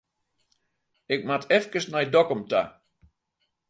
Ik moat efkes nei Dokkum ta.